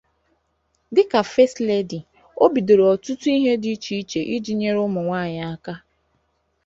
Dika first lady, O bidoro ọtụtụ ihe di iche iche iji nyere ụmụ nwaanyị aka.